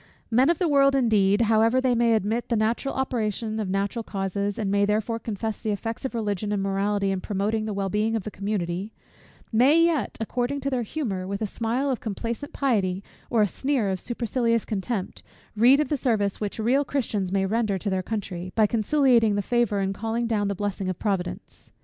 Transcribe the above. Men of the world, indeed, however they may admit the natural operation of natural causes, and may therefore confess the effects of Religion and morality in promoting the well being of the community; may yet, according to their humour, with a smile of complacent pity, or a sneer of supercilious contempt, read of the service which real Christians may render to their country, by conciliating the favour and calling down the blessing of Providence.